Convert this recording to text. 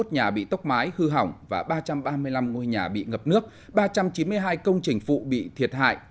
hai mươi nhà bị tốc mái hư hỏng và ba trăm ba mươi năm ngôi nhà bị ngập nước ba trăm chín mươi hai công trình phụ bị thiệt hại